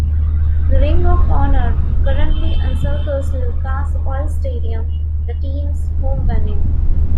The Ring of Honor currently encircles Lucas Oil Stadium, the team's home venue.